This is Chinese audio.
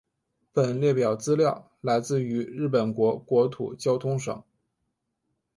本列表资料来自于日本国国土交通省。